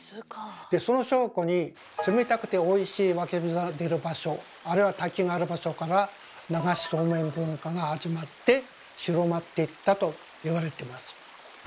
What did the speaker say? でその証拠に冷たくておいしい湧き水が出る場所あるいは滝のある場所から流しそうめん文化が始まって広まっていったと言われてます。